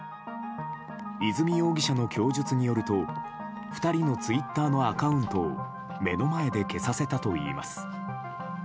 和美容疑者の供述によると２人のツイッターのアカウントを目の前で消させたといいます。